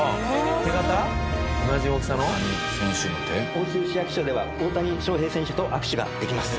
奥州市役所では大谷翔平選手と握手ができます。